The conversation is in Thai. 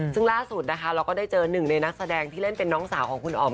ซึ่งล่าสุดนะคะเราก็ได้เจอหนึ่งในนักแสดงที่เล่นเป็นน้องสาวของคุณอ๋อม